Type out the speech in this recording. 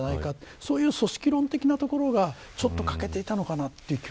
そういう組織論的なところがちょっと欠けていたのかな